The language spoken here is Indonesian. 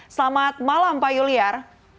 selamat malam pak yuliar